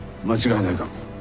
間違いないか？